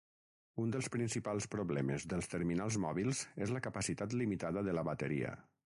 Un dels principals problemes dels terminals mòbils és la capacitat limitada de la bateria.